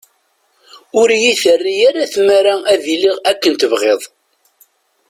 Ur iyi-terri ara tmara ad iliɣ akken tebɣiḍ.